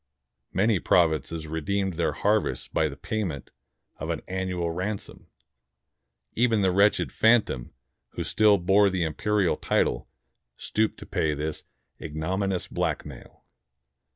Many prov inces redeemed their harvests by the payment of an annual ransom. Even the wretched phantom who still bore the imperial title stooped to pay this ignominious blackmail.